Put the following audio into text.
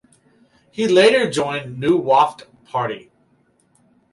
He later joined New Wafd Party.